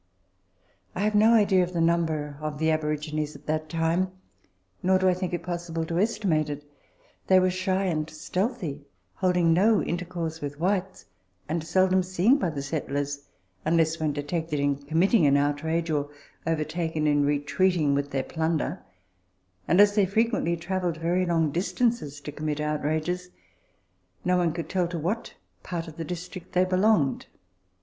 I have no idea of the number of the aborigines at that time, nor do I think it possible to estimate it. They were shy and stealthy, holding no intercourse with whites, and seldom seen by the settlers unless when detected in committing an outrage or overtaken in retreating with their plunder ; and as they frequently travelled very long distances to commit outrages, no one could tell to what part of the district they belonged.